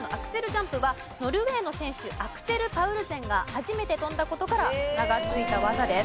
ジャンプはノルウェーの選手アクセル・パウルゼンが初めて跳んだ事から名が付いた技です。